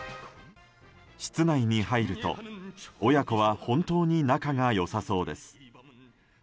室内に入ると親子は本当に仲が良さそうです。